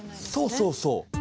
そうそうそう。